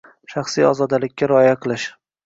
Shaxsiy ozodalikka rioya qilish.